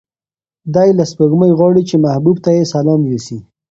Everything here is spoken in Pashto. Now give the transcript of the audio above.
دی له سپوږمۍ غواړي چې محبوب ته یې سلام یوسي.